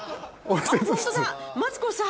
マツコさん！